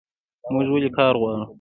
موږ ولې کار غواړو؟